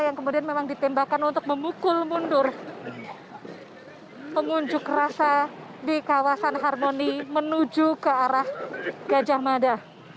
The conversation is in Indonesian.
yang kemudian memang ditembakkan untuk memukul mundur pengunjuk rasa di kawasan harmoni menuju ke arah gajah mada